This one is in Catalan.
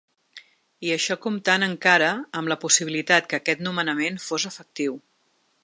I això comptant encara amb la possibilitat que aquests nomenament fos efectiu.